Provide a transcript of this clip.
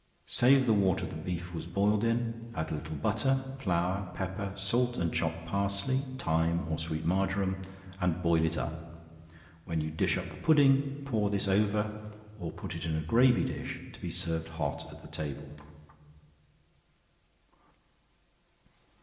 Save the water the beef was boiled in, add a little butter, flour, pepper, salt and chopped parsley, thyme or sweet marjoram, and boil it up; when you dish up the pudding pour this over, or put it in a gravy dish to be served hot at the table.